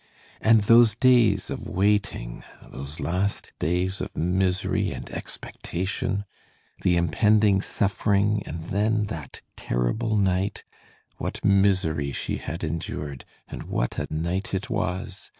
And those days of waiting, those last days of misery and expectation! The impending suffering, and then that terrible night! What misery she had endured, and what a night it was!